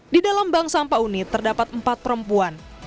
di dalam bank sampah unit terdapat empat perempuan